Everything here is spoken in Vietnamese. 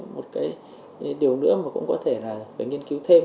một cái điều nữa mà cũng có thể là phải nghiên cứu thêm